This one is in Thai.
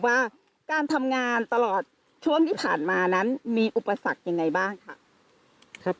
ว่าการทำงานตลอดช่วงที่ผ่านมานั้นมีอุปสรรคยังไงบ้างค่ะ